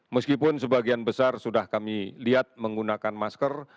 meskipun sebagian besar sudah kami lihat menggunakan masker